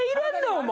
お前！